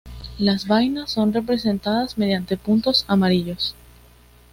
Las vainas son representadas mediante puntos amarillos.